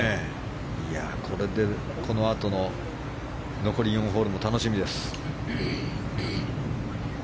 このあとの残り４ホールも楽しみです。